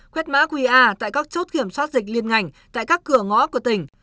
quét mã qr tại các chốt kiểm soát dịch liên ngành tại các cửa ngõ của tỉnh